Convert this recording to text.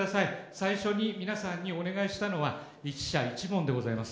最初に皆さんにお願いしたのは１社１問でございます。